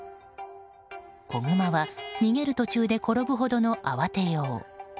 子グマは逃げる途中で転ぶほどの慌てよう。